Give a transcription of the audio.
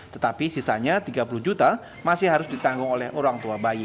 tetapi sisanya tiga puluh juta masih harus ditanggung oleh orang tua bayi